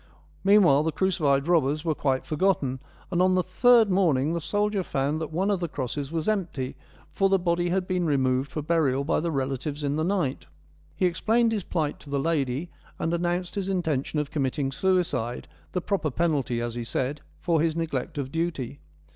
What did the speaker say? Meanwhile the crucified robbers were quite for gotten, and on the third morning the soldier found that one of the crosses was empty, for the body had 56 FEMINISM IN GREEK LITERATURE been removed for burial by the relatives in the night. He explained his plight to the lady, and announced his intention of committing suicide, the proper penalty, as he said, for his neglect of duty.